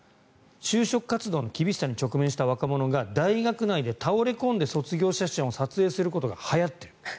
就職活動の厳しさに直面した若者が大学内で倒れ込んで卒業写真を撮影することがはやっている。